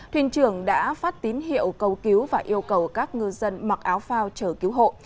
thuyền trưởng đã phát tín hiệu cầu cứu và yêu cầu các ngư dân mặc áo phao chờ cứu hộ